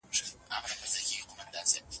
چې زما خوږ وطن ورانېږي